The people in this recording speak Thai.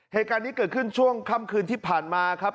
เหตุการณ์นี้เกิดขึ้นช่วงค่ำคืนที่ผ่านมาครับ